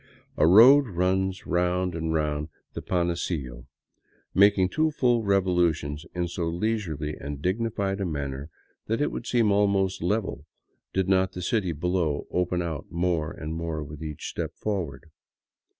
A road runs round and round the Panecillo, making two full revolu tions in so leisurely and dignified a manner that it would seem almost level did not the city below open out more and more with each step forward.